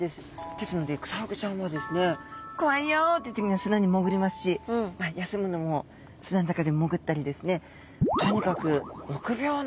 ですのでクサフグちゃんはですね「怖いよ」って時には砂に潜りますし休むのも砂の中で潜ったりですね